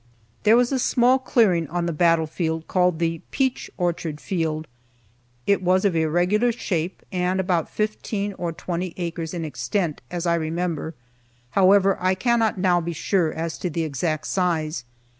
There was a small clearing on the battlefield called the "Peach Orchard" field. It was of irregular shape, and about fifteen or twenty acres in extent, as I remember. However, I cannot now be sure as to the exact size.